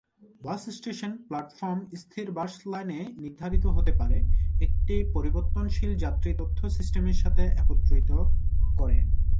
বাস station platform স্থির bus লাইনে নির্ধারিত হতে পারে, একটি পরিবর্তনশীল যাত্রী তথ্য সিস্টেমের সাথে একত্রিত করে।